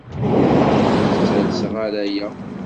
Ur d-ttalseɣ ara aya.